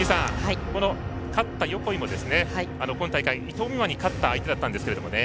勝った横井も今大会、伊藤美誠に勝った相手だったんですけどね。